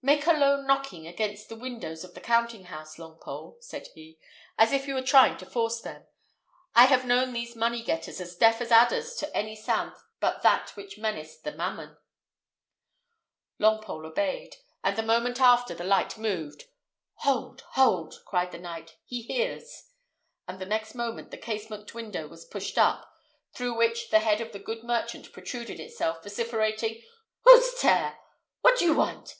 "Make a low knocking against the windows of the counting house, Longpole," said he, "as if you were trying to force them. I have known these money getters as deaf as adders to any sound but that which menaced the mammon." Longpole obeyed, and the moment after the light moved. "Hold! hold!" cried the knight, "he hears;" and the next moment the casement window was pushed open, through which the head of the good merchant protruded itself, vociferating, "Who's tere? What do you want?